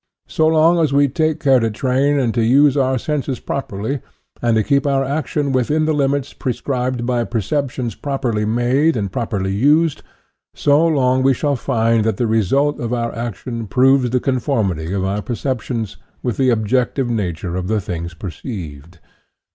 So long as we take care to train and to use our senses properly, and to keep our action within the limits prescribed by perceptions property made and properly used, so long we shall find that the result of our action proves the con formity of our perceptions with the objective nature of the things perceived.